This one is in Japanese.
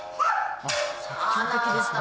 即興的ですね。